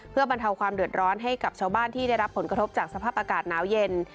เพื่อบรรเทาความเดือดร้อนให้กับชาวบ้านที่ได้รับผลกระทบจากสภาพอากาศหนาวเย็น